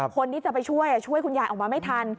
คนที่จะไปช่วยช่วยคุณยายออกมาไม่ทัน